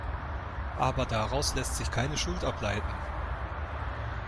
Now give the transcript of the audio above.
Aber daraus lässt sich keine Schuld ableiten.